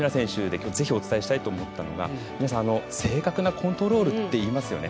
きょうぜひお伝えしたいと思ったのが皆さん、正確なコントロールっていいますよね。